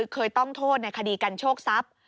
เคยต้องโทษในคดีกันโชคทรัพย์